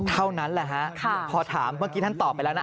เท่านั้นแหละฮะพอถามเมื่อกี้ท่านตอบไปแล้วนะ